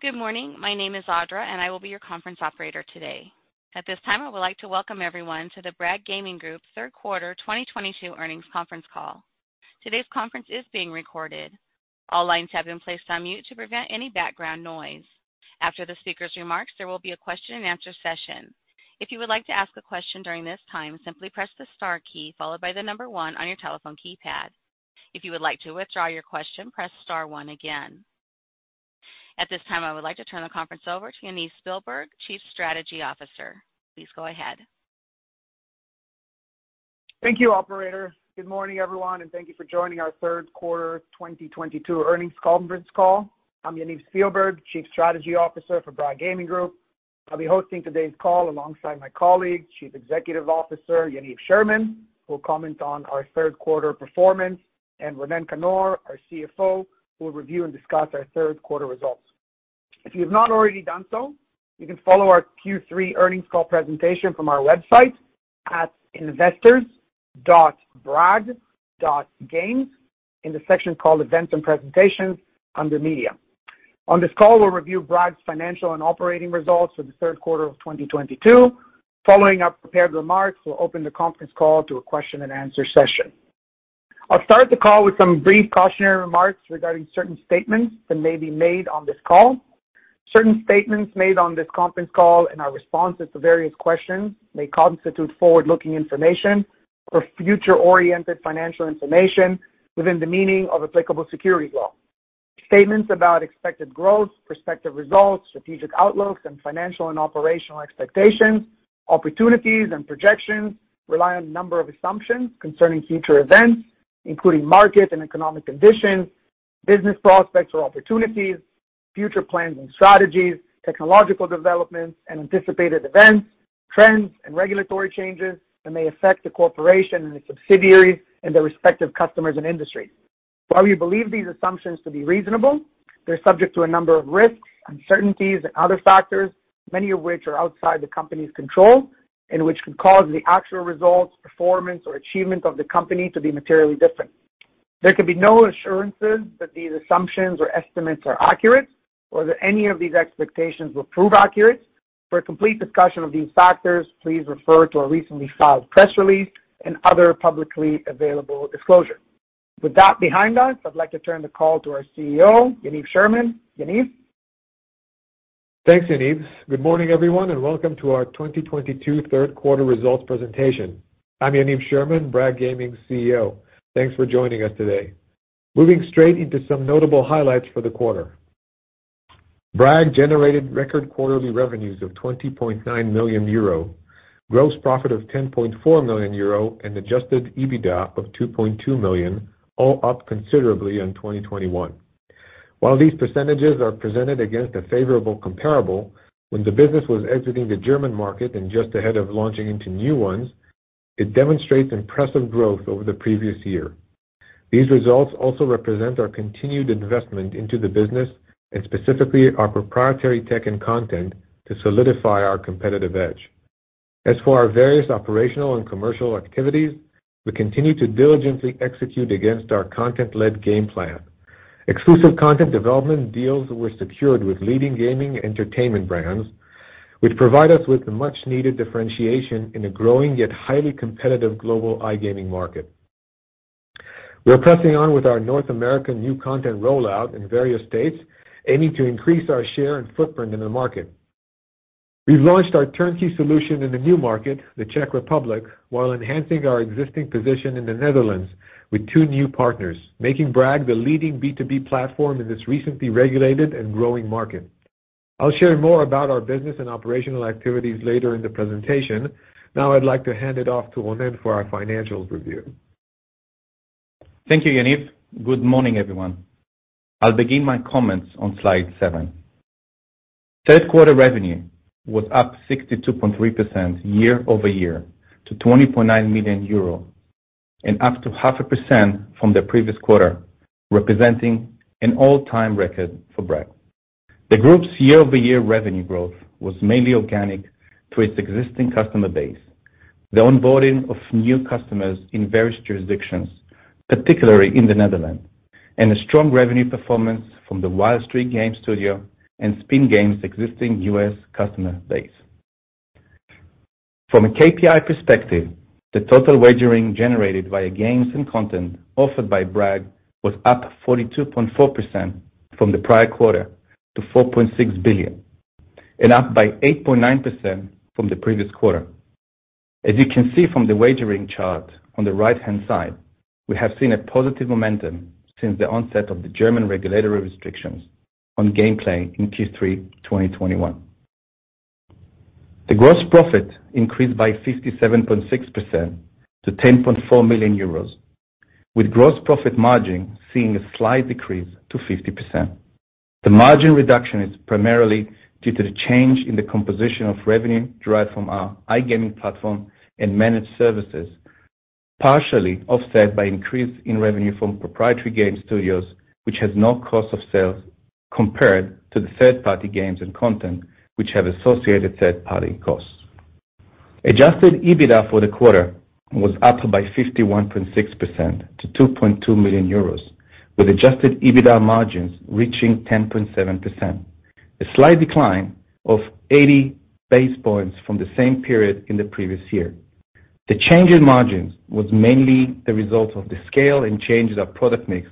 Good morning. My name is Audra, and I will be your conference operator today. At this time, I would like to Welcome Everyone to the Bragg Gaming Group Q3 2022 Earnings Conference Call. Today's conference is being recorded. All lines have been placed on mute to prevent any background noise. After the speaker's remarks, there will be a question-and-answer session. If you would like to ask a question during this time, simply press the star key followed by the number one on your telephone keypad. If you would like to withdraw your question, press star one again. At this time, I would like to turn the conference over to Yaniv Spielberg, Chief Strategy Officer. Please go ahead. Thank you, operator. Good morning, everyone, and thank you for joining our Q3 2022 earnings conference call. I'm Yaniv Spielberg, Chief Strategy Officer for Bragg Gaming Group. I'll be hosting today's call alongside my colleague, Chief Executive Officer, Yaniv Sherman, who will comment on our Q3 performance, and Ronen Kannor, our CFO, who will review and discuss our Q3 results. If you've not already done so, you can follow our Q3 earnings call presentation from our website at investors.bragg.games in the section called Events and Presentations under Media. On this call, we'll review Bragg's financial and operating results for the Q3 of 2022. Following our prepared remarks, we'll open the conference call to a question-and-answer session. I'll start the call with some brief cautionary remarks regarding certain statements that may be made on this call. Certain statements made on this conference call and our responses to various questions may constitute forward-looking information or future-oriented financial information within the meaning of applicable securities law. Statements about expected growth, prospective results, strategic outlooks, and financial and operational expectations, opportunities, and projections rely on a number of assumptions concerning future events, including market and economic conditions, business prospects or opportunities, future plans and strategies, technological developments and anticipated events, trends, and regulatory changes that may affect the corporation and its subsidiaries and their respective customers and industries. While we believe these assumptions to be reasonable, they're subject to a number of risks, uncertainties, and other factors, many of which are outside the company's control and which could cause the actual results, performance, or achievement of the company to be materially different. There can be no assurances that these assumptions or estimates are accurate or that any of these expectations will prove accurate. For a complete discussion of these factors, please refer to our recently filed press release and other publicly available disclosure. With that behind us, I'd like to turn the call to our CEO, Yaniv Sherman. Yaniv. Thanks, Yaniv. Good morning, everyone, and welcome to our 2022 Q3 results presentation. I'm Yaniv Sherman, Bragg Gaming CEO. Thanks for joining us today. Moving straight into some notable highlights for the quarter. Bragg generated record quarterly revenues of 20.9 million euro, gross profit of 10.4 million euro, and Adjusted EBITDA of 2.2 million, all up considerably in 2021. While these percentages are presented against a favorable comparable, when the business was exiting the German market and just ahead of launching into new ones, it demonstrates impressive growth over the previous year. These results also represent our continued investment into the business and specifically our proprietary tech and content to solidify our competitive edge. As for our various operational and commercial activities, we continue to diligently execute against our content-led game plan. Exclusive content development deals were secured with leading gaming entertainment brands, which provide us with the much-needed differentiation in a growing yet highly competitive global iGaming market. We're pressing on with our North American new content rollout in various states, aiming to increase our share and footprint in the market. We've launched our turnkey solution in the new market, the Czech Republic, while enhancing our existing position in the Netherlands with two new partners, making Bragg the leading B2B platform in this recently regulated and growing market. I'll share more about our business and operational activities later in the presentation. Now I'd like to hand it off to Ronen for our financial review. Thank you, Yaniv. Good morning, everyone. I'll begin my comments on Slide 7. Q3 revenue was up 62.3% year-over-year to 20.9 million euro and up 0.5% from the previous quarter, representing an all-time record for Bragg. The group's year-over-year revenue growth was mainly organic to its existing customer base. The onboarding of new customers in various jurisdictions, particularly in the Netherlands, and a strong revenue performance from the Wild Streak Gaming and Spin Games existing U.S. customer base. From a KPI perspective, the total wagering generated via games and content offered by Bragg was up 42.4% from the prior quarter to 4.6 billion and up by 8.9% from the previous quarter. As you can see from the wagering chart on the right-hand side, we have seen a positive momentum since the onset of the German regulatory restrictions on gameplay in Q3 2021. The gross profit increased by 57.6% to 10.4 million euros, with gross profit margin seeing a slight decrease to 50%. The margin reduction is primarily due to the change in the composition of revenue derived from our iGaming platform and managed services, partially offset by increase in revenue from proprietary game studios, which has no cost of sales compared to the third-party games and content which have associated third-party costs. Adjusted EBITDA for the quarter was up by 51.6% to 2.2 million euros, with Adjusted EBITDA margins reaching 10.7%. A slight decline of 80 basis points from the same period in the previous year. The change in margins was mainly the result of the scale and change of our product mix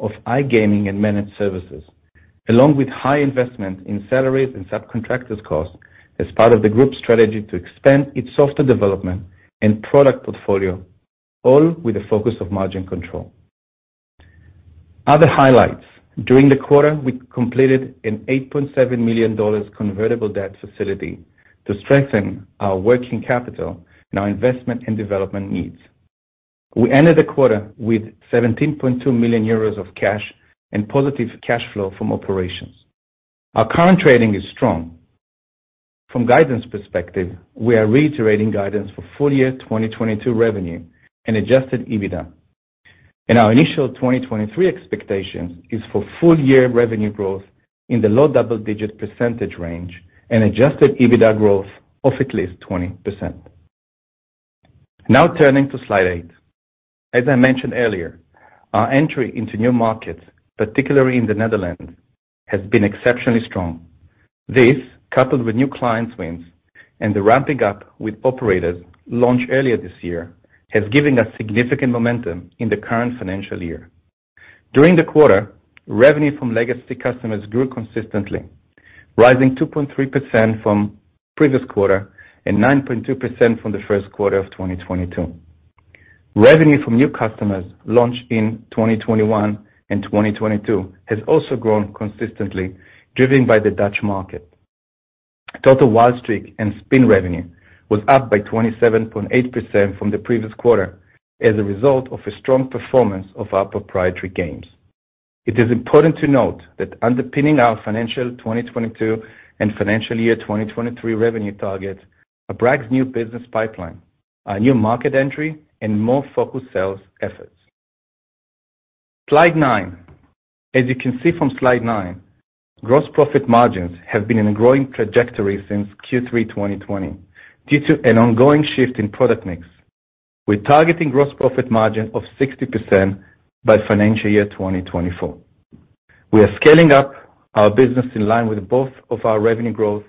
of iGaming and managed services, along with high investment in salaries and subcontractor costs as part of the group's strategy to expand its software development and product portfolio, all with a focus of margin control. Other highlights. During the quarter, we completed an $8.7 million convertible debt facility to strengthen our working capital and our investment and development needs. We ended the quarter with 17.2 million euros of cash and positive cash flow from operations. Our current trading is strong. From a guidance perspective, we are reiterating guidance for full year 2022 revenue and Adjusted EBITDA. Our initial 2023 expectation is for full year revenue growth in the low double-digit % range and Adjusted EBITDA growth of at least 20%. Now turning to Slide 8. As I mentioned earlier, our entry into new markets, particularly in the Netherlands, has been exceptionally strong. This, coupled with new clients wins and the ramping up with operators launched earlier this year, has given us significant momentum in the current financial year. During the quarter, revenue from legacy customers grew consistently, rising 2.3% from previous quarter and 9.2% from the Q1 of 2022. Revenue from new customers launched in 2021 and 2022 has also grown consistently, driven by the Dutch market. Total Wild Streak and Spin revenue was up by 27.8% from the previous quarter as a result of a strong performance of our proprietary games. It is important to note that underpinning our financial 2022 and financial year 2023 revenue targets are Bragg's new business pipeline, our new market entry, and more focused sales efforts. Slide 9. As you can see from Slide 9, gross profit margins have been in a growing trajectory since Q3 2020 due to an ongoing shift in product mix. We're targeting gross profit margin of 60% by financial year 2024. We are scaling up our business in line with both of our revenue growth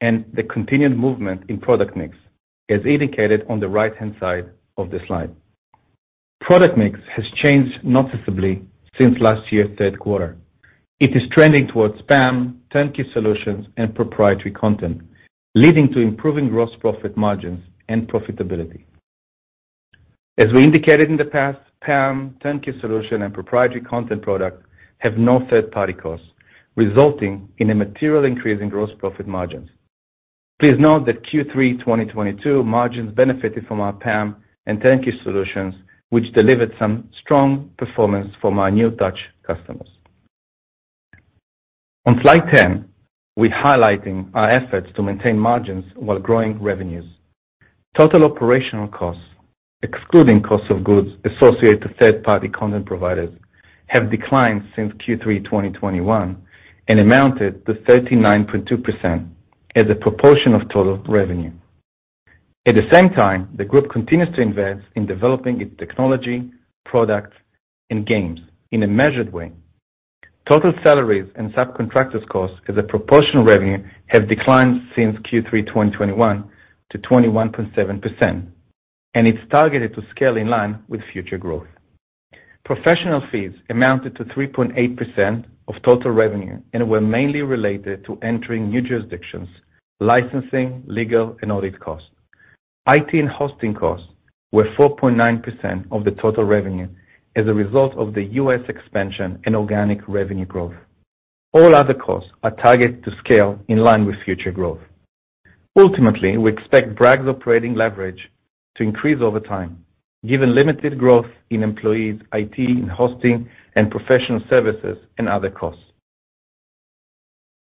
and the continued movement in product mix, as indicated on the right-hand side of the slide. Product mix has changed noticeably since last year's Q3. It is trending towards PAM, turnkey solutions, and proprietary content, leading to improving gross profit margins and profitability. As we indicated in the past, PAM, turnkey solution, and proprietary content product have no third-party costs, resulting in a material increase in gross profit margins. Please note that Q3 2022 margins benefited from our PAM and turnkey solutions, which delivered some strong performance for my new Dutch customers. On Slide 10, we're highlighting our efforts to maintain margins while growing revenues. Total operational costs, excluding cost of goods associated to third-party content providers, have declined since Q3 2021 and amounted to 39.2% as a proportion of total revenue. At the same time, the group continues to invest in developing its technology, products, and games in a measured way. Total salaries and subcontractors costs as a proportion of revenue have declined since Q3 2021 to 21.7%, and it's targeted to scale in line with future growth. Professional fees amounted to 3.8% of total revenue and were mainly related to entering new jurisdictions, licensing, legal, and audit costs. IT and hosting costs were 4.9% of the total revenue as a result of the US expansion and organic revenue growth. All other costs are targeted to scale in line with future growth. Ultimately, we expect Bragg's operating leverage to increase over time, given limited growth in employees, IT, and hosting, and professional services, and other costs.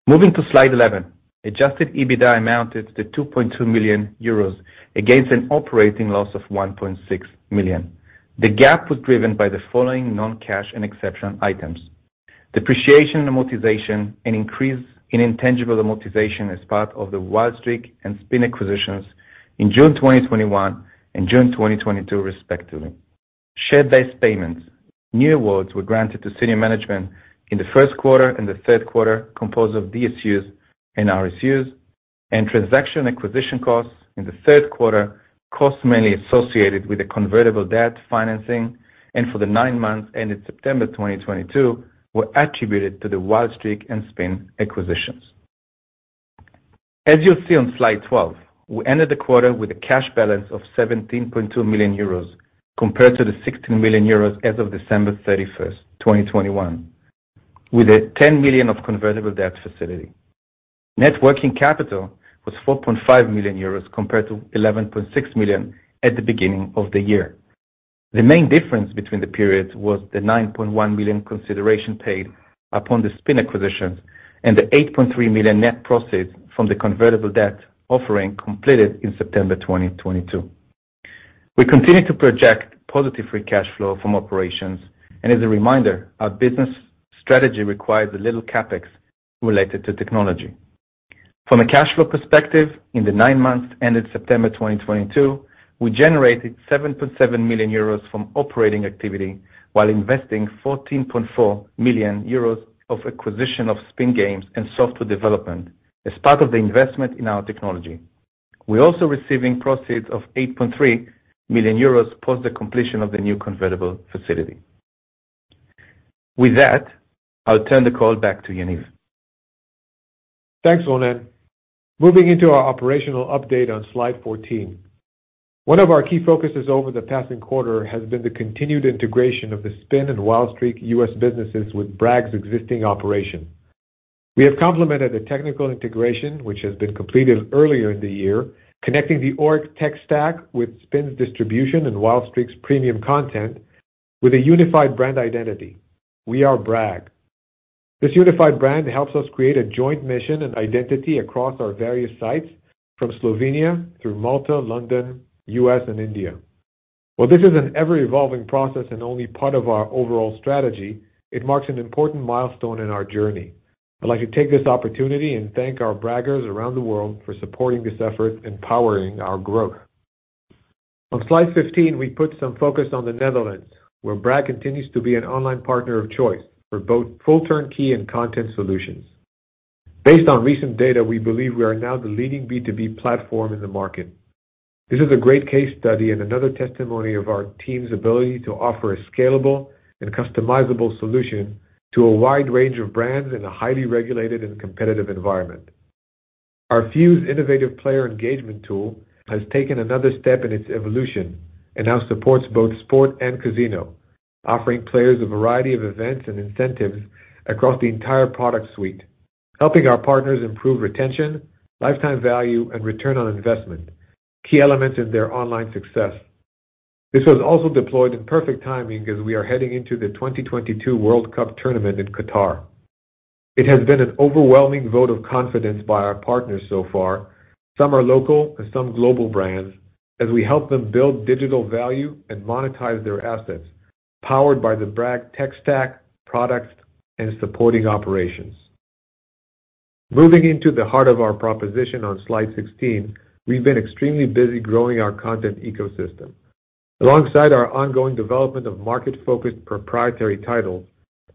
Moving to Slide 11. Adjusted EBITDA amounted to 2.2 million euros against an operating loss of 1.6 million. The gap was driven by the following non-cash and exceptional items. Depreciation and amortization, an increase in intangible amortization as part of the Wild Streak and Spin acquisitions in June 2021 and June 2022, respectively. Share-based payments. New awards were granted to senior management in the Q1 and the Q3, composed of DSUs and RSUs. Transaction acquisition costs in the Q3. Costs mainly associated with the convertible debt financing. For the nine months ended September 2022 were attributed to the Wild Streak and Spin acquisitions. As you'll see on Slide 12, we ended the quarter with a cash balance of 17.2 million euros compared to 16 million euros as of 31 December 2021, with a 10 million convertible debt facility. Net working capital was 4.5 million euros compared to 11.6 million at the beginning of the year. The main difference between the periods was the 9.1 million consideration paid upon the Spin Games acquisitions and the 8.3 million net proceeds from the convertible debt offering completed in September 2022. We continue to project positive free cash flow from operations, and as a reminder, our business strategy requires a little CapEx related to technology. From a cash flow perspective, in the nine months ended September 2022, we generated 7.7 million euros from operating activity while investing 14.4 million euros in acquisition of Spin Games and software development as part of the investment in our technology. We're also receiving proceeds of 8.3 million euros post the completion of the new convertible facility. With that, I'll turn the call back to Yaniv. Thanks, Ronen. Moving into our operational update on Slide 14. One of our key focuses over the past quarter has been the continued integration of the Spin and Wild Streak US businesses with Bragg's existing operation. We have complemented the technical integration, which has been completed earlier in the year, connecting our tech stack with Spin's distribution and Wild Streak's premium content with a unified brand identity. We are Bragg. This unified brand helps us create a joint mission and identity across our various sites from Slovenia through Malta, London, US, and India. While this is an ever-evolving process and only part of our overall strategy, it marks an important milestone in our journey. I'd like to take this opportunity and thank our Braggers around the world for supporting this effort and powering our growth. On Slide 15, we put some focus on the Netherlands, where Bragg continues to be an online partner of choice for both full turnkey and content solutions. Based on recent data, we believe we are now the leading B2B platform in the market. This is a great case study and another testimony of our team's ability to offer a scalable and customizable solution to a wide range of brands in a highly regulated and competitive environment. Our Fuze innovative player engagement tool has taken another step in its evolution and now supports both sport and casino, offering players a variety of events and incentives across the entire product suite, helping our partners improve retention, lifetime value, and return on investment, key elements in their online success. This was also deployed in perfect timing as we are heading into the 2022 World Cup tournament in Qatar. It has been an overwhelming vote of confidence by our partners so far. Some are local and some global brands as we help them build digital value and monetize their assets, powered by the Bragg tech stack, products, and supporting operations. Moving into the heart of our proposition on Slide 16, we've been extremely busy growing our content ecosystem. Alongside our ongoing development of market-focused proprietary titles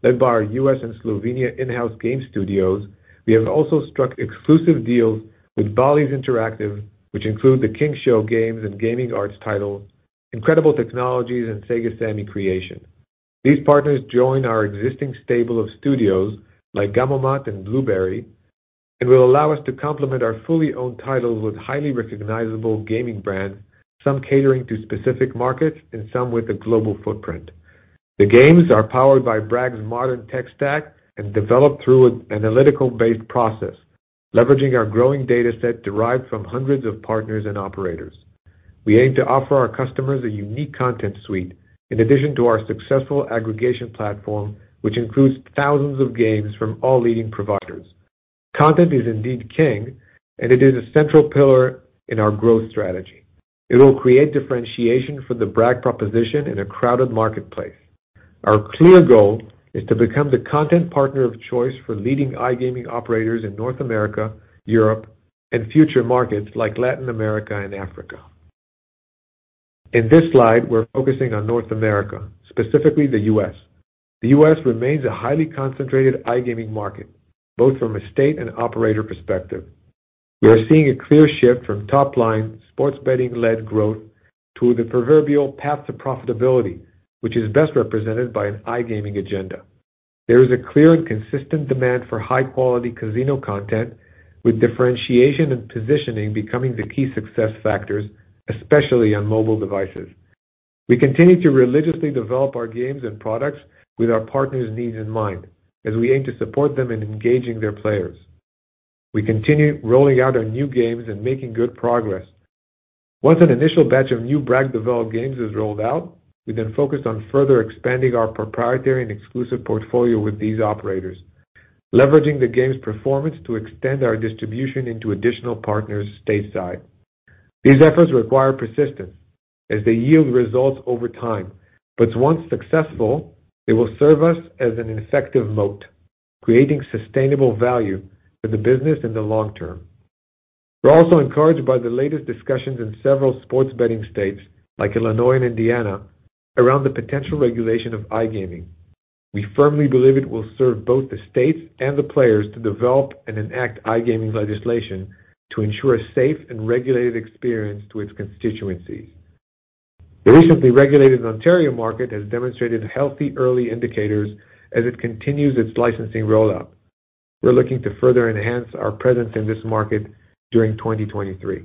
led by our U.S. and Slovenia in-house game studios, we have also struck exclusive deals with Bally's Interactive, which include the King Show Games and Gaming Arts titles, Incredible Technologies, and Sega Sammy Creation. These partners join our existing stable of studios like Gamomat and Bluberi, and will allow us to complement our fully owned titles with highly recognizable gaming brands, some catering to specific markets and some with a global footprint. The games are powered by Bragg's modern tech stack and developed through an analytical-based process, leveraging our growing data set derived from hundreds of partners and operators. We aim to offer our customers a unique content suite in addition to our successful aggregation platform, which includes thousands of games from all leading providers. Content is indeed king, and it is a central pillar in our growth strategy. It will create differentiation for the Bragg proposition in a crowded marketplace. Our clear goal is to become the content partner of choice for leading iGaming operators in North America, Europe, and future markets like Latin America and Africa. In this slide, we're focusing on North America, specifically the U.S. The U.S. remains a highly concentrated iGaming market, both from a state and operator perspective. We are seeing a clear shift from top-line sports betting-led growth to the proverbial path to profitability, which is best represented by an iGaming agenda. There is a clear and consistent demand for high-quality casino content, with differentiation and positioning becoming the key success factors, especially on mobile devices. We continue to religiously develop our games and products with our partners' needs in mind as we aim to support them in engaging their players. We continue rolling out our new games and making good progress. Once an initial batch of new Bragg-developed games is rolled out, we then focus on further expanding our proprietary and exclusive portfolio with these operators, leveraging the game's performance to extend our distribution into additional partners stateside. These efforts require persistence as they yield results over time, but once successful, they will serve us as an effective moat, creating sustainable value for the business in the long term. We're also encouraged by the latest discussions in several sports betting states, like Illinois and Indiana, around the potential regulation of iGaming. We firmly believe it will serve both the states and the players to develop and enact iGaming legislation to ensure a safe and regulated experience to its constituencies. The recently regulated Ontario market has demonstrated healthy early indicators as it continues its licensing rollout. We're looking to further enhance our presence in this market during 2023.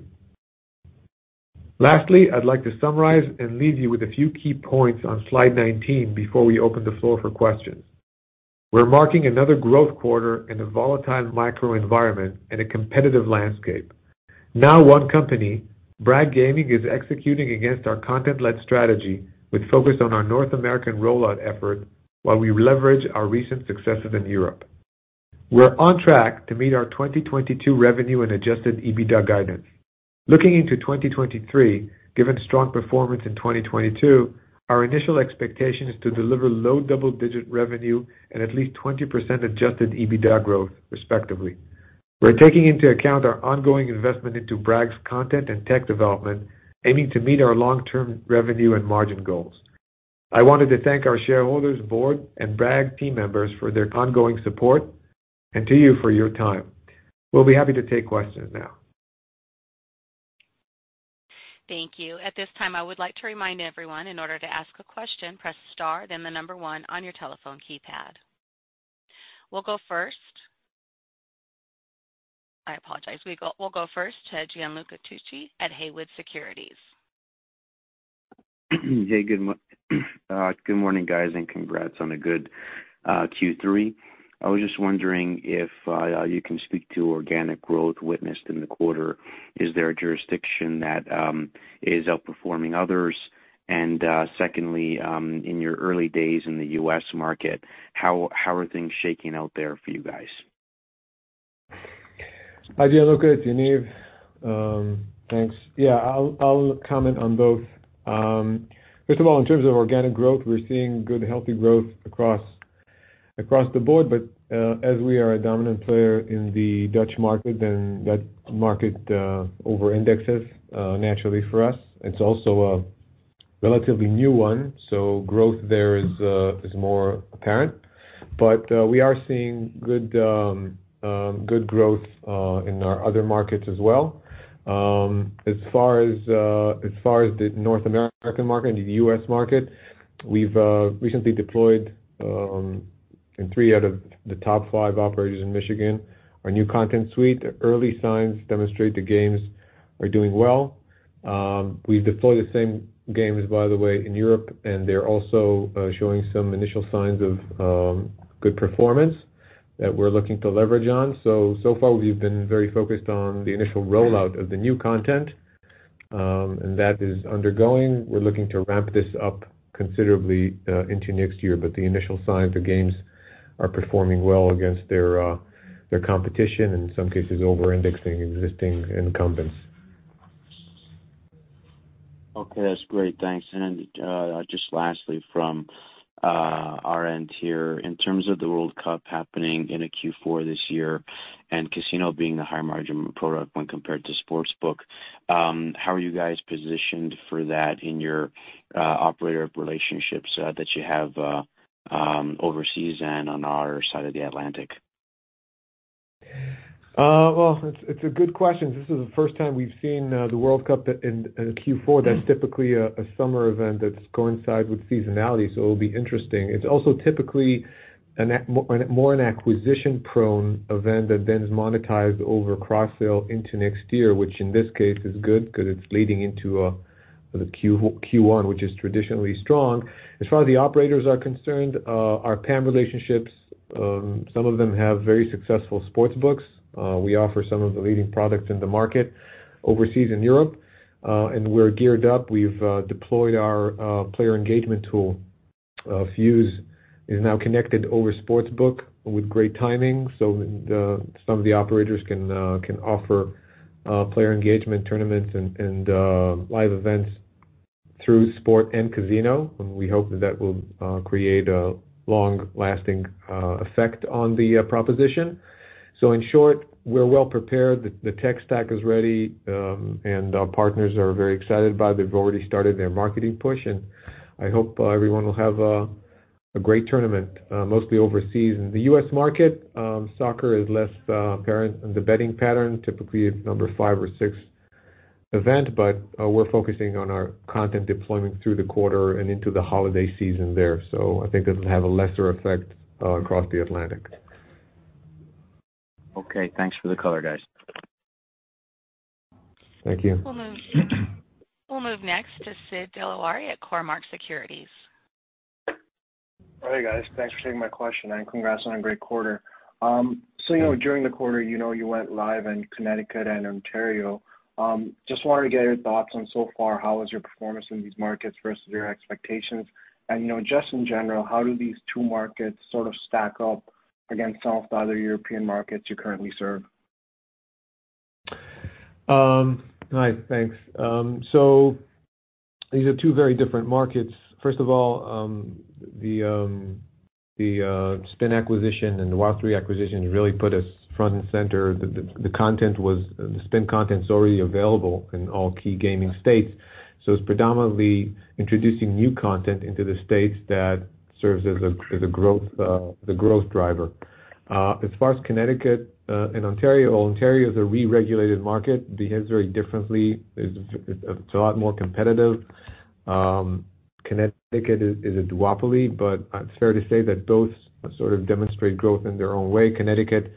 Lastly, I'd like to summarize and leave you with a few key points on Slide 19 before we open the floor for questions. We're marking another growth quarter in a volatile microenvironment and a competitive landscape. Now one company, Bragg Gaming, is executing against our content-led strategy, which focused on our North American rollout effort while we leverage our recent successes in Europe. We're on track to meet our 2022 revenue and Adjusted EBITDA guidance. Looking into 2023, given strong performance in 2022, our initial expectation is to deliver low double-digit revenue and at least 20% Adjusted EBITDA growth respectively. We're taking into account our ongoing investment into Bragg's content and tech development, aiming to meet our long-term revenue and margin goals. I wanted to thank our shareholders, board, and Bragg team members for their ongoing support and to you for your time. We'll be happy to take questions now. Thank you. At this time, I would like to remind everyone, in order to ask a question, press star, then the number one on your telephone keypad. We'll go first to Gianluca Tucci at Haywood Securities. Good morning, guys, and congrats on a good Q3. I was just wondering if you can speak to organic growth witnessed in the quarter. Is there a jurisdiction that is outperforming others? Secondly, in your early days in the US market, how are things shaking out there for you guys? Hi, Gianluca, it's Yaniv. Thanks. Yeah, I'll comment on both. First of all, in terms of organic growth, we're seeing good, healthy growth across the board. As we are a dominant player in the Dutch market, then that market over-indexes naturally for us. It's also a relatively new one, so growth there is more apparent. We are seeing good growth in our other markets as well. As far as the North American market and the U.S. market, we've recently deployed in three out of the top five operators in Michigan, our new content suite. Early signs demonstrate the games are doing well. We deploy the same games, by the way, in Europe, and they're also showing some initial signs of good performance that we're looking to leverage on. So far, we've been very focused on the initial rollout of the new content, and that is undergoing. We're looking to ramp this up considerably into next year. The initial signs are games are performing well against their competition, in some cases over-indexing existing incumbents. Okay, that's great. Thanks. Just lastly from our end here. In terms of the World Cup happening in a Q4 this year and casino being a higher margin product when compared to sportsbook, how are you guys positioned for that in your operator relationships that you have overseas and on our side of the Atlantic? Well, it's a good question. This is the first time we've seen the World Cup in Q4 that's typically a summer event that coincides with seasonality. So it'll be interesting. It's also typically more an acquisition-prone event that then is monetized over cross-sale into next year, which in this case is good 'cause it's leading into the Q1, which is traditionally strong. As far as the operators are concerned, our PAM relationships, some of them have very successful sports books. We offer some of the leading products in the market overseas in Europe, and we're geared up. We've deployed our player engagement tool. Fuze is now connected over sportsbook with great timing so some of the operators can offer player engagement tournaments and live events through sports and casino. We hope that will create a long-lasting effect on the proposition. In short, we're well prepared. The tech stack is ready, and our partners are very excited by it. They've already started their marketing push, and I hope everyone will have a great tournament, mostly overseas. In the U.S. market, soccer is less apparent in the betting pattern, typically a number five or six event, but we're focusing on our content deployment through the quarter and into the holiday season there. I think it will have a lesser effect across the Atlantic. Okay, thanks for the color, guys. Thank you. We'll move next to Sid Dilawari at Cormark Securities. All right, guys. Thanks for taking my question and congrats on a great quarter. You know, during the quarter, you know, you went live in Connecticut and Ontario. Just wanted to get your thoughts on so far, how was your performance in these markets versus your expectations? You know, just in general, how do these two markets sort of stack up against some of the other European markets you currently serve? Hi. Thanks. These are two very different markets. First of all, the Spin acquisition and the Wild Streak acquisition really put us front and center. The Spin content's already available in all key gaming states. It's predominantly introducing new content into the states that serves as a growth driver. As far as Connecticut and Ontario is a re-regulated market, behaves very differently. It's a lot more competitive. Connecticut is a duopoly, but it's fair to say that both sort of demonstrate growth in their own way. Connecticut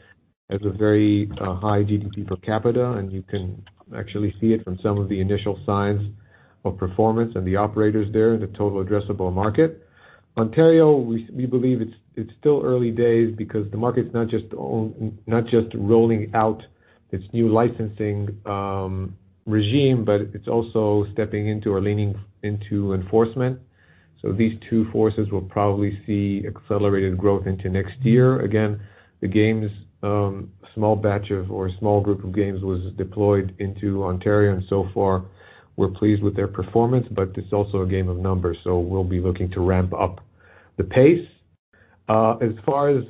has a very high GDP per capita, and you can actually see it from some of the initial signs of performance and the operators there, the total addressable market. Ontario, we believe it's still early days because the market's not just rolling out. It's new licensing regime, but it's also stepping into or leaning into enforcement. These two forces will probably see accelerated growth into next year. Again, the games, a small batch or a small group of games was deployed into Ontario, and so far we're pleased with their performance, but it's also a game of numbers, so we'll be looking to ramp up the pace. As far as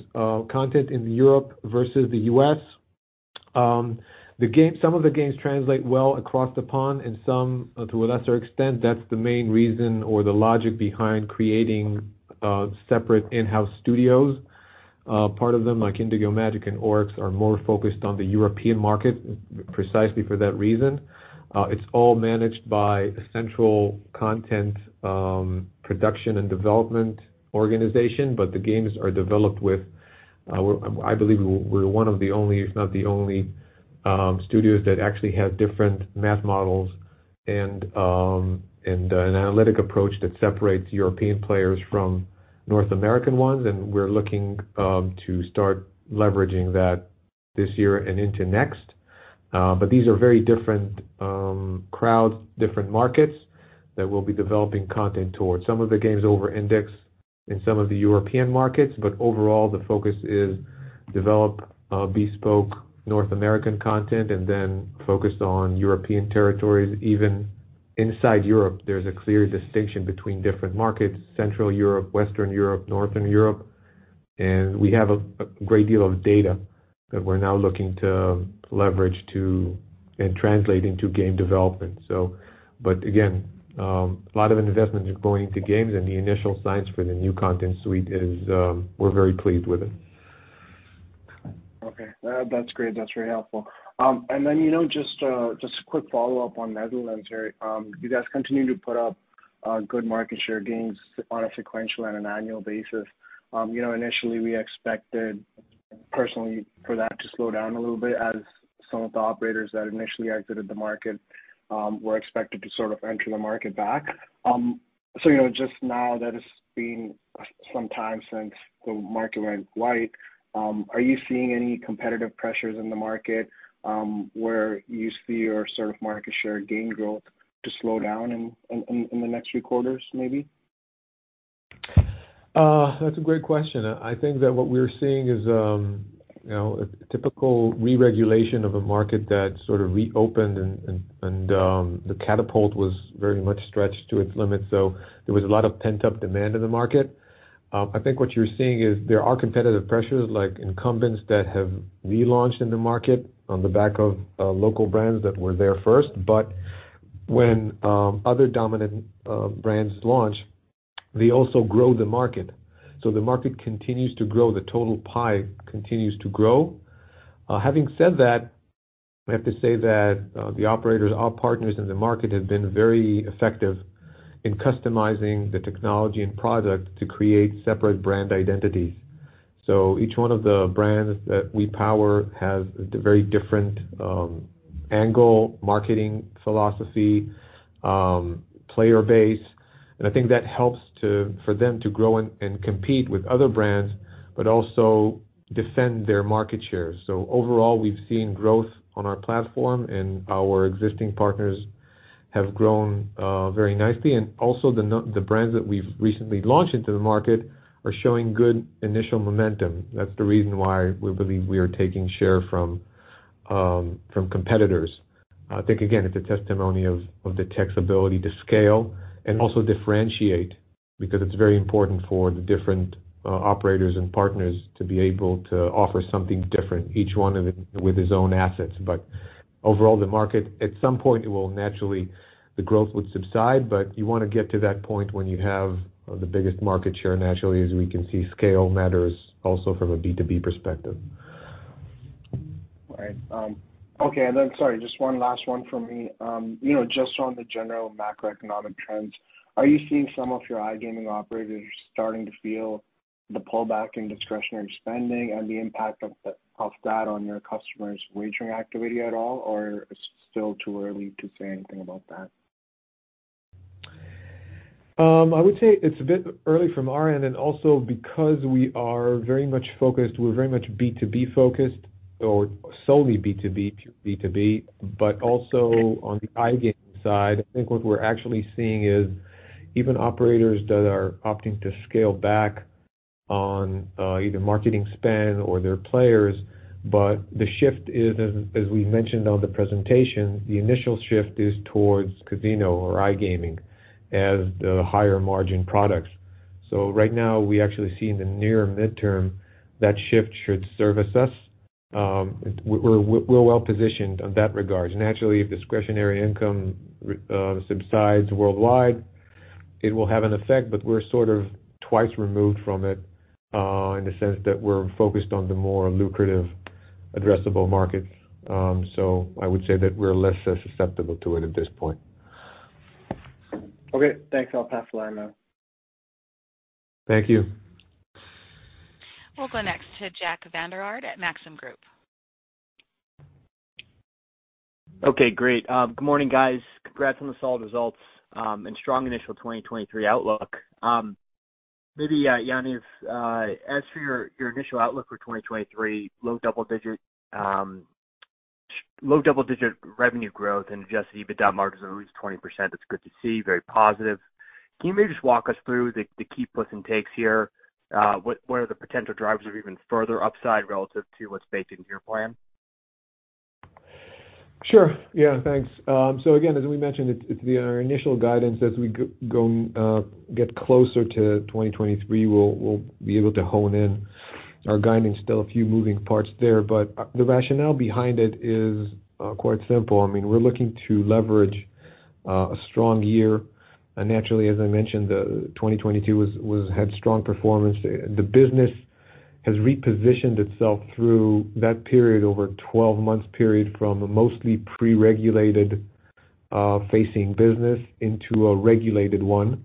content in Europe versus the U.S., some of the games translate well across the pond and some to a lesser extent. That's the main reason or the logic behind creating separate in-house studios. Part of them, like Indigo Magic and Oryx, are more focused on the European market precisely for that reason. It's all managed by a central content production and development organization. The games are developed. I believe we're one of the only, if not the only, studios that actually has different math models and an analytic approach that separates European players from North American ones. We're looking to start leveraging that this year and into next. These are very different crowds, different markets that we'll be developing content towards. Some of the games over-index in some of the European markets, but overall, the focus is develop bespoke North American content and then focus on European territories. Even inside Europe, there's a clear distinction between different markets, Central Europe, Western Europe, Northern Europe. We have a great deal of data that we're now looking to leverage and translate into game development. A lot of investment is going into games, and the initial signs for the new content suite is, we're very pleased with it. Okay. That's great. That's very helpful. You know, just a quick follow-up on Netherlands here. You guys continue to put up good market share gains on a sequential and an annual basis. You know, initially we expected personally for that to slow down a little bit as some of the operators that initially exited the market were expected to sort of enter the market back. You know, just now that it's been some time since the market went live, are you seeing any competitive pressures in the market where you see your sort of market share gain growth to slow down in the next few quarters, maybe? That's a great question. I think that what we're seeing is, you know, a typical re-regulation of a market that sort of reopened and the catalog was very much stretched to its limits. There was a lot of pent-up demand in the market. I think what you're seeing is there are competitive pressures like incumbents that have relaunched in the market on the back of local brands that were there first. When other dominant brands launch, they also grow the market. The market continues to grow, the total pie continues to grow. Having said that, I have to say that the operators, our partners in the market, have been very effective in customizing the technology and product to create separate brand identities. Each one of the brands that we power has a very different angle, marketing philosophy, player base, and I think that helps for them to grow and compete with other brands, but also defend their market share. Overall, we've seen growth on our platform, and our existing partners have grown very nicely. The brands that we've recently launched into the market are showing good initial momentum. That's the reason why we believe we are taking share from competitors. I think, again, it's a testimony of the tech's ability to scale and also differentiate, because it's very important for the different operators and partners to be able to offer something different, each one of it with his own assets. Overall, the market, at some point, it will naturally, the growth would subside, but you wanna get to that point when you have the biggest market share. Naturally, as we can see, scale matters also from a B2B perspective. Right. Okay. Sorry, just one last one from me. You know, just on the general macroeconomic trends, are you seeing some of your iGaming operators starting to feel the pullback in discretionary spending and the impact of that on your customers' wagering activity at all? Or it's still too early to say anything about that? I would say it's a bit early from our end and also because we are very much focused, we're very much B2B focused or solely B2B, but also on the iGaming side. I think what we're actually seeing is even operators that are opting to scale back on either marketing spend or their players. The shift is, as we mentioned on the presentation, the initial shift is towards casino or iGaming as the higher margin products. Right now we actually see in the near midterm that shift should service us. We're well positioned in that regard. Naturally, if discretionary income subsides worldwide, it will have an effect, but we're sort of twice removed from it in the sense that we're focused on the more lucrative addressable markets. I would say that we're less susceptible to it at this point. Okay, thanks. I'll pass the line now. Thank you. We'll go next to Jack Vander Aarde at Maxim Group. Okay, great. Good morning, guys. Congrats on the solid results and strong initial 2023 outlook. Maybe Yaniv, as for your initial outlook for 2023, low double-digit revenue growth and Adjusted EBITDA margins of at least 20%, that's good to see, very positive. Can you maybe just walk us through the key plus and takes here? What are the potential drivers of even further upside relative to what's baked into your plan? Sure. Yeah, thanks. Again, as we mentioned, it's via our initial guidance as we get closer to 2023, we'll be able to hone in our guidance. Still a few moving parts there, but the rationale behind it is quite simple. I mean, we're looking to leverage a strong year. Naturally, as I mentioned, 2022 had strong performance. The business has repositioned itself through that period over 12 months period from a mostly pre-regulated-facing business into a regulated one.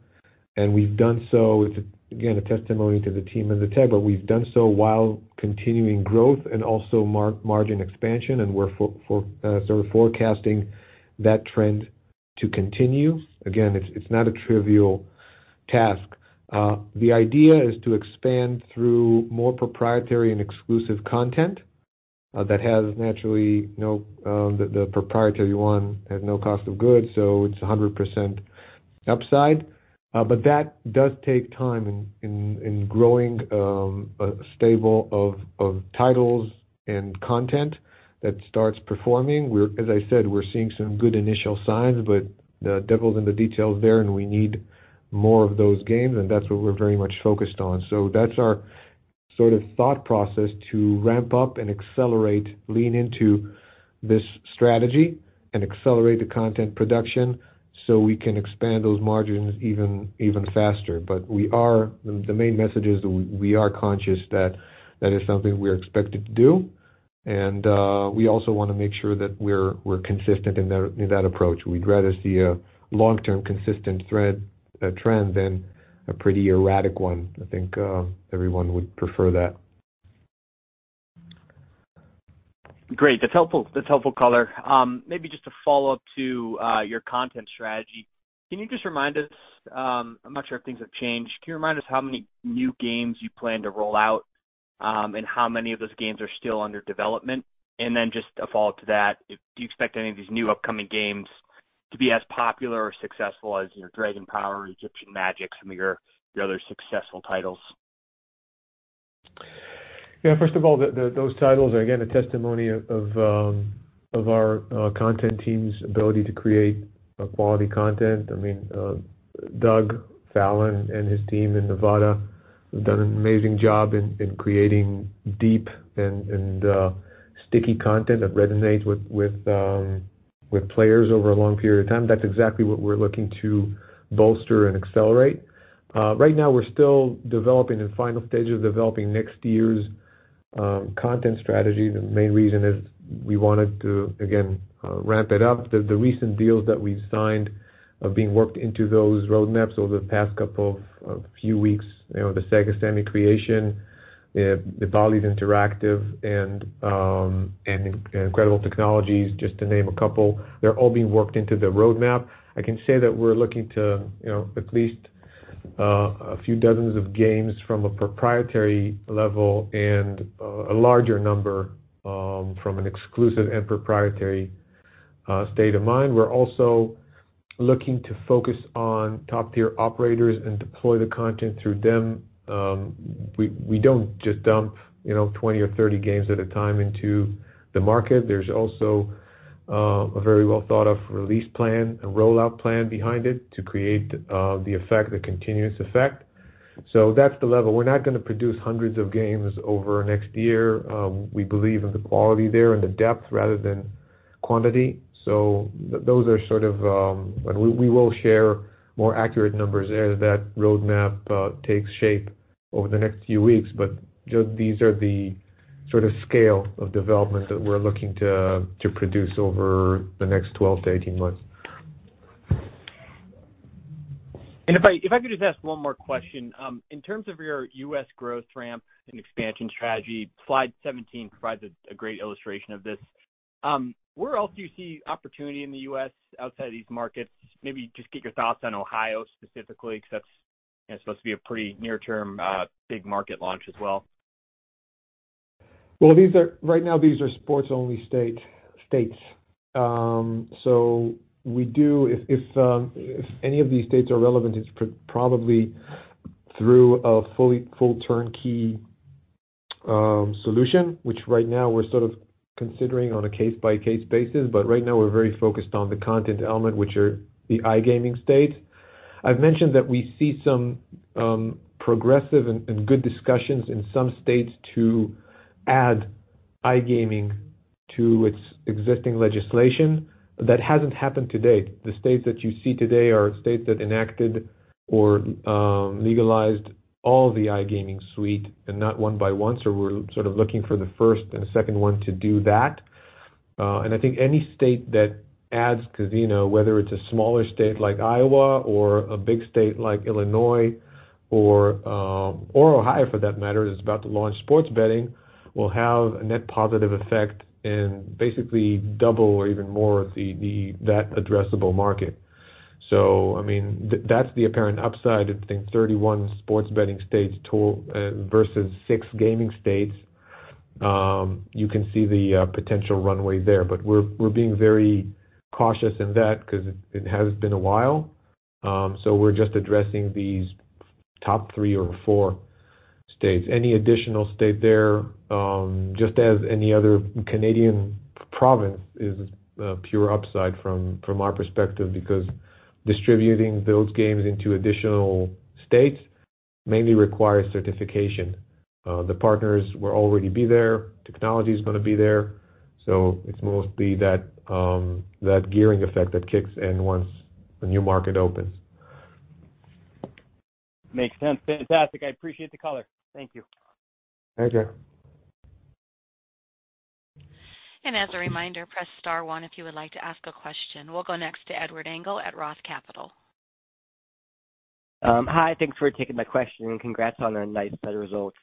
We've done so with, again, a testament to the team and the tech, but we've done so while continuing growth and also margin expansion, and so we're forecasting that trend to continue. Again, it's not a trivial task. The idea is to expand through more proprietary and exclusive content that has the proprietary one at no cost of goods, so it's 100% upside. That does take time in growing a stable of titles and content that starts performing. As I said, we're seeing some good initial signs, but the devil's in the details there, and we need more of those games, and that's what we're very much focused on. That's our sort of thought process to ramp up and accelerate, lean into this strategy and accelerate the content production so we can expand those margins even faster. The main message is we are conscious that that is something we're expected to do. We also wanna make sure that we're consistent in that approach. We'd rather see a long-term consistent trend than a pretty erratic one. I think everyone would prefer that. Great. That's helpful color. Maybe just a follow-up to your content strategy. I'm not sure if things have changed. Can you remind us how many new games you plan to roll out, and how many of those games are still under development? Then just a follow-up to that, do you expect any of these new upcoming games to be as popular or successful as your Dragon Power or Egyptian Magic, some of your other successful titles? Yeah, first of all, those titles are again a testimony of our content team's ability to create a quality content. I mean, Doug Fallon and his team in Nevada have done an amazing job in creating deep and sticky content that resonates with players over a long period of time. That's exactly what we're looking to bolster and accelerate. Right now we're still developing, in final stages of developing next year's content strategy. The main reason is we wanted to ramp it up. The recent deals that we've signed are being worked into those roadmaps over the past couple of few weeks. You know, the Sega Sammy Creation, the Bally's Interactive and Incredible Technologies, just to name a couple. They're all being worked into the roadmap. I can say that we're looking to, you know, at least, a few dozens of games from a proprietary level and, a larger number, from an exclusive and proprietary, state of mind. We're also looking to focus on top-tier operators and deploy the content through them. We don't just dump, you know, 20 or 30 games at a time into the market. There's also, a very well thought of release plan and rollout plan behind it to create, the effect, the continuous effect. That's the level. We're not gonna produce hundreds of games over next year. We believe in the quality there and the depth rather than quantity. Those are sort of. We will share more accurate numbers as that roadmap, takes shape over the next few weeks. Just these are the sort of scale of development that we're looking to produce over the next 12-18 months. If I could just ask one more question. In terms of your U.S. growth ramp and expansion strategy, Slide 17 provides a great illustration of this. Where else do you see opportunity in the U.S. outside of these markets? Maybe just get your thoughts on Ohio specifically, 'cause that's, you know, supposed to be a pretty near-term big market launch as well. Right now, these are sports-only states. So we do, if any of these states are relevant, it's probably through a full turnkey solution, which right now we're sort of considering on a case-by-case basis. Right now we're very focused on the content element, which are the iGaming states. I've mentioned that we see some progressive and good discussions in some states to add iGaming to its existing legislation. That hasn't happened to date. The states that you see today are states that enacted or legalized all the iGaming suite and not one by one. We're sort of looking for the first and second one to do that. I think any state that adds casino, whether it's a smaller state like Iowa or a big state like Illinois or Ohio, for that matter, is about to launch sports betting will have a net positive effect and basically double or even more of that addressable market. I mean, that's the apparent upside between 31 sports betting states versus six gaming states. You can see the potential runway there. We're being very cautious in that 'cause it has been a while. We're just addressing these top three or four states. Any additional state there, just as any other Canadian province is, pure upside from our perspective, because distributing those games into additional states mainly requires certification. The partners will already be there, technology is gonna be there, so it's mostly that gearing effect that kicks in once the new market opens. Makes sense. Fantastic. I appreciate the color. Thank you. Thank you. As a reminder, press star one, if you would like to ask a question. We'll go next to Edward Engel at Roth Capital Partners. Hi, thanks for taking my question, and congrats on a nice set of results.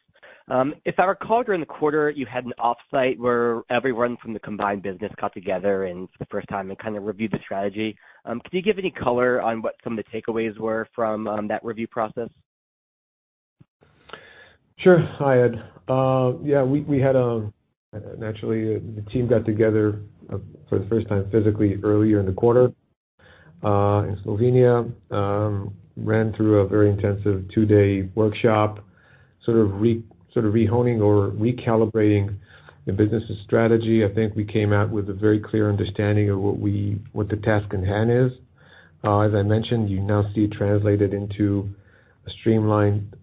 If I recall during the quarter, you had an offsite where everyone from the combined business got together and for the first time and kind of reviewed the strategy. Could you give any color on what some of the takeaways were from that review process? Sure. Hi, Ed. Yeah, we had naturally the team got together for the first time physically earlier in the quarter in Slovenia. Ran through a very intensive two-day workshop, sort of re-honing or recalibrating the business' strategy. I think we came out with a very clear understanding of what the task in hand is. As I mentioned, you now see it translated into a streamlined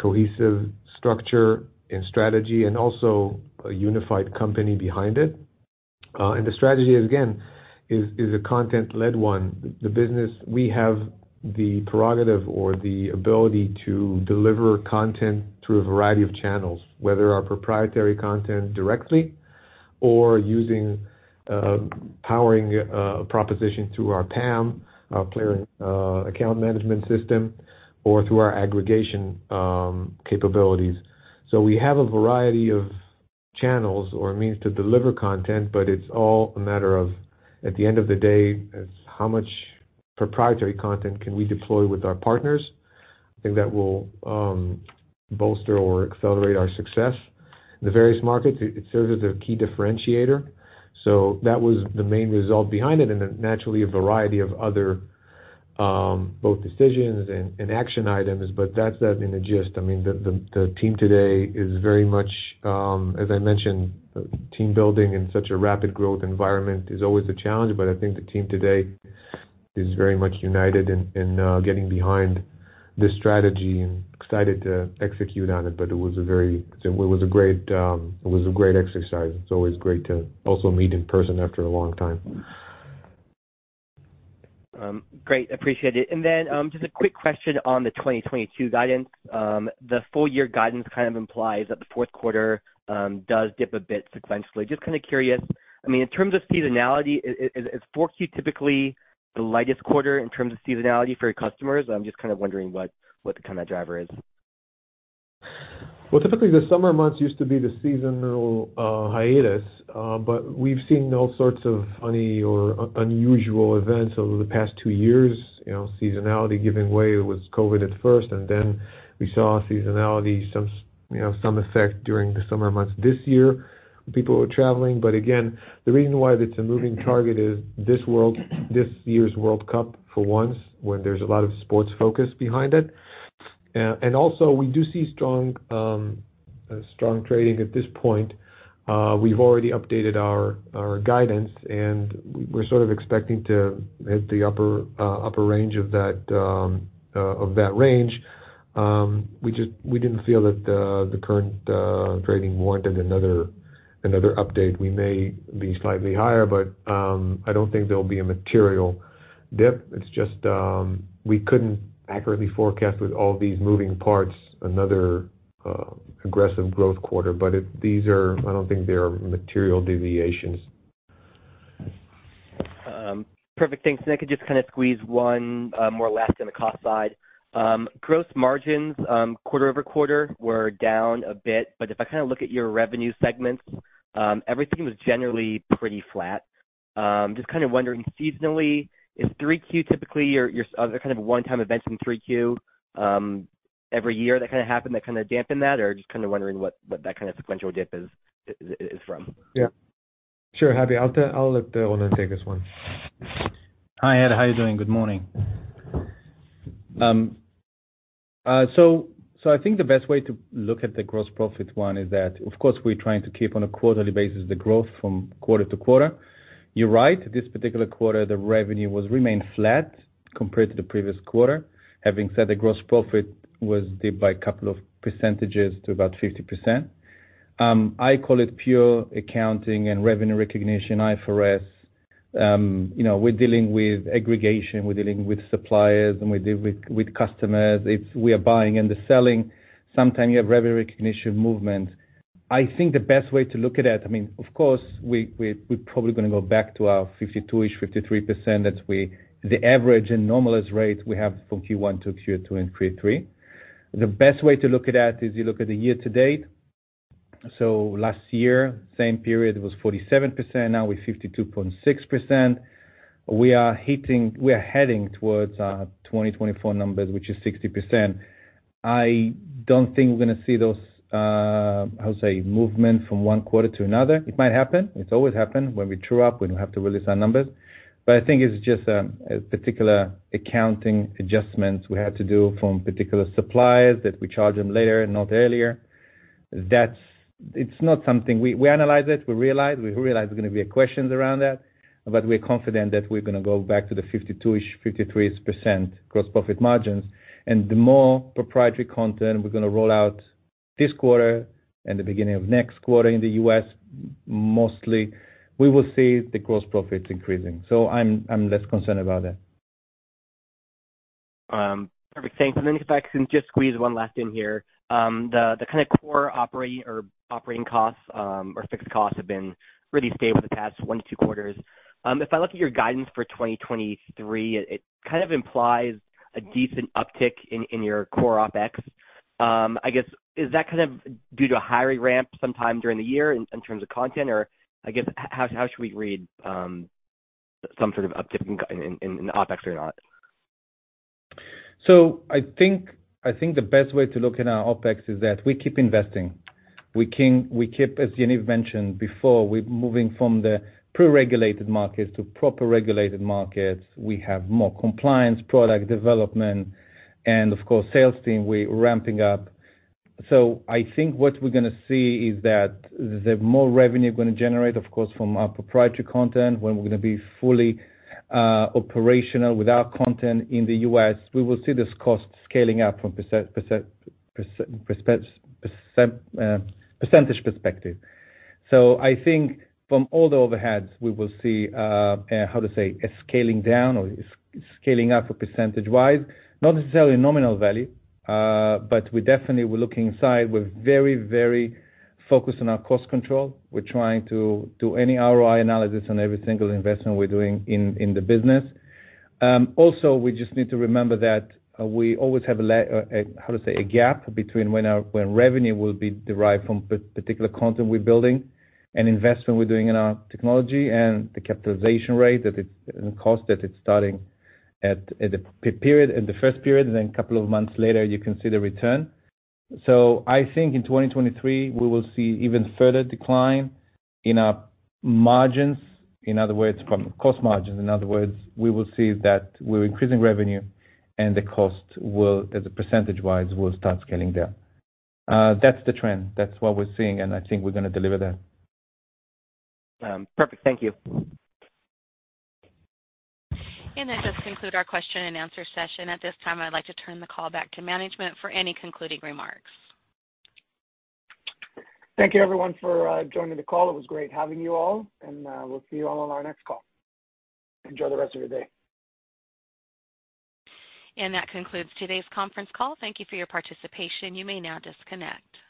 cohesive structure and strategy and also a unified company behind it. The strategy again is a content-led one. We have the prerogative or the ability to deliver content through a variety of channels, whether our proprietary content directly or using powering a proposition through our PAM player account management system or through our aggregation capabilities. We have a variety of channels or means to deliver content, but it's all a matter of, at the end of the day, it's how much proprietary content can we deploy with our partners. I think that will bolster or accelerate our success in the various markets. It serves as a key differentiator. That was the main result behind it. Then naturally, a variety of other both decisions and action items. That's that in a gist. I mean, the team today is very much, as I mentioned, team building in such a rapid growth environment is always a challenge, but I think the team today is very much united in getting behind this strategy and excited to execute on it. It was a great exercise. It's always great to also meet in person after a long time. Great. Appreciate it. Just a quick question on the 2022 guidance. The full year guidance kind of implies that the Q4 does dip a bit sequentially. Just kinda curious, I mean, in terms of seasonality, is fourth Q typically the lightest quarter in terms of seasonality for your customers? I'm just kind of wondering what the kinda driver is. Well, typically the summer months used to be the seasonal hiatus, but we've seen all sorts of funny or unusual events over the past two years. You know, seasonality giving way. It was COVID at first, and then we saw some seasonality, you know, some effect during the summer months this year, people were traveling. But again, the reason why it's a moving target is this year's World Cup for once, when there's a lot of sports focus behind it. And also we do see strong trading at this point. We've already updated our guidance, and we're sort of expecting to hit the upper range of that range. We didn't feel that the current trading warranted another update. We may be slightly higher, but I don't think there'll be a material dip. It's just we couldn't accurately forecast with all these moving parts, another aggressive growth quarter. These are. I don't think they are material deviations. Perfect, thanks. I could just kinda squeeze one more last on the cost side. Gross margins, quarter-over-quarter were down a bit, but if I kinda look at your revenue segments, everything was generally pretty flat. Just kinda wondering seasonally, is 3Q typically your? Are there kind of one-time events in 3Q every year that kinda happen that kinda dampen that? Or just kinda wondering what that kinda sequential dip is from. Yeah, sure. Happy. I'll let Ronen take this one. Hi, Ed. How are you doing? Good morning. I think the best way to look at the gross profit one is that, of course, we're trying to keep on a quarterly basis the growth from quarter to quarter. You're right. This particular quarter, the revenue was remained flat compared to the previous quarter. Having said that, gross profit was dipped by a couple of percentages to about 50%. I call it pure accounting and revenue recognition, IFRS. You know, we're dealing with aggregation, we're dealing with suppliers, and we deal with customers. It's we are buying and selling, sometimes you have revenue recognition movement. I think the best way to look at that, I mean, of course, we probably gonna go back to our 52-ish%, 53%, the average and normalized rates we have from Q1 to Q2 and Q3. The best way to look at that is you look at the year to date. Last year, same period was 47%, now we're 52.6%. We are heading towards 2024 numbers, which is 60%. I don't think we're gonna see those, how to say, movement from one quarter to another. It might happen. It's always happened. When we true up, when we have to release our numbers. I think it's just a particular accounting adjustments we have to do from particular suppliers that we charge them later and not earlier. That's it. It's not something. We analyze it, we realize there's gonna be questions around that, but we're confident that we're gonna go back to the 52-ish%, 53-ish% gross profit margins. The more proprietary content we're gonna roll out this quarter and the beginning of next quarter in the U.S. mostly, we will see the gross profits increasing. I'm less concerned about that. Perfect, thanks. If I can just squeeze one last in here. The kind of core operating costs or fixed costs have been really stable the past one, two quarters. If I look at your guidance for 2023, it kind of implies a decent uptick in your core OpEx. I guess, is that kind of due to a hiring ramp sometime during the year in terms of content? Or I guess, how should we read some sort of uptick in OpEx or not? I think the best way to look at our OpEx is that we keep investing. We keep as Yaniv mentioned before, we're moving from the pre-regulated markets to proper regulated markets. We have more compliance, product development, and of course, sales team, we're ramping up. I think what we're gonna see is that the more revenue we're gonna generate, of course, from our proprietary content, when we're gonna be fully operational with our content in the U.S., we will see this cost scaling up from percentage perspective. I think from all the overheads, we will see how to say, a scaling down or scaling up percentage wise. Not necessarily nominal value, but we definitely we're looking inside. We're very, very focused on our cost control. We're trying to do any ROI analysis on every single investment we're doing in the business. Also, we just need to remember that we always have a gap between when revenue will be derived from particular content we're building and investment we're doing in our technology and the capitalization rate that the cost that it's starting at the first period, and then a couple of months later, you can see the return. I think in 2023, we will see even further decline in our margins. In other words, from cost margins. In other words, we will see that we're increasing revenue and the cost will, as a percentage wise, start scaling down. That's the trend. That's what we're seeing, and I think we're gonna deliver that. Perfect. Thank you. That does conclude our question and answer session. At this time, I'd like to turn the call back to management for any concluding remarks. Thank you everyone for joining the call. It was great having you all, and we'll see you all on our next call. Enjoy the rest of your day. That concludes today's conference call. Thank you for your participation. You may now disconnect.